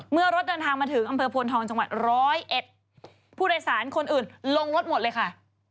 เมื่อรถเดินทางมาถึงอำเภอโพนทองจังหวัดร้อยเอ็ดผู้โดยสารคนอื่นลงรถหมดเลยค่ะ